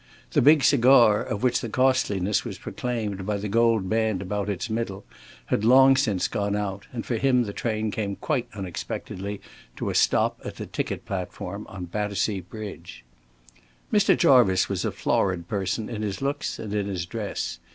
The big cigar of which the costliness was proclaimed by the gold band about its middle had long since gone out, and for him the train came quite unexpectedly to a stop at the ticket platform on Battersea Bridge. Mr. Jarvice was a florid person in his looks and in his dress.